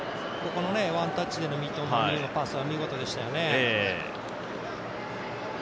ここのワンタッチでのパスは見事でしたよね。